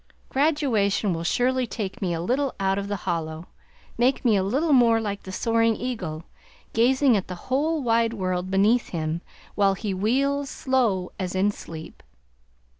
Graduation will surely take me a little out of "the hollow," make me a little more like the soaring eagle, gazing at the whole wide world beneath him while he wheels "slow as in sleep."